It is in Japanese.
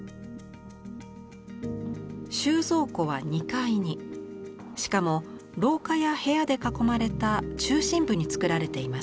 収蔵庫は２階にしかも廊下や部屋で囲まれた中心部に造られています。